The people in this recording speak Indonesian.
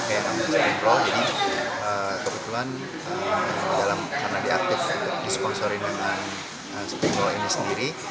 jadi kebetulan karena dia aktif disponsori dengan spinball ini sendiri